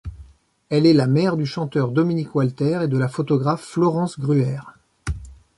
Elle est la mère du chanteur Dominique Walter et de la photographe Florence Gruère.